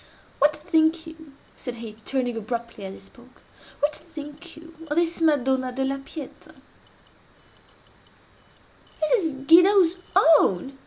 What think you," said he, turning abruptly as he spoke—"what think you of this Madonna della Pieta?" "It is Guido's own!"